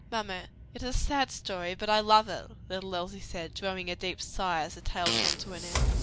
"Mamma, it is a sad story; but I love it," little Elsie said, drawing a deep sigh, as the tale came to an end.